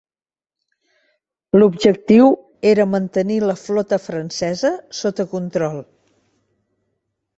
L'objectiu era mantenir la flota francesa sota control.